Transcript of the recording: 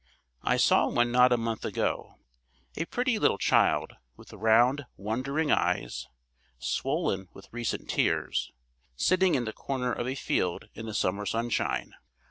I saw one not a month ago. A pretty little child, with round, wondering eyes, swollen with recent tears, sitting in the corner of a field in the summer sunshine.